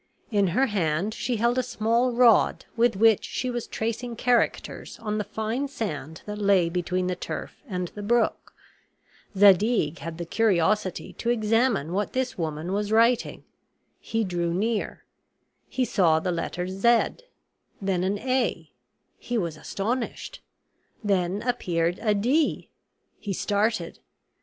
In her hand she held a small rod with which she was tracing characters on the fine sand that lay between the turf and the brook. Zadig had the curiosity to examine what this woman was writing. He drew near; he saw the letter Z, then an A; he was astonished; then appeared a D; he started.